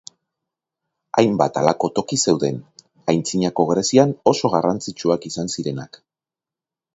Hainbat halako toki zeuden, Antzinako Grezian oso garrantzitsuak izan zirenak.